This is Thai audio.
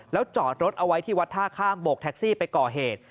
แล้วจอดรถเอาไว้ที่วัดท่าข้ามโบกแท็กซี่ไปก่อเหตุ